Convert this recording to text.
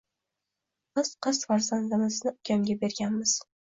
Biz qiz farzandimizni ukamga berganmiz.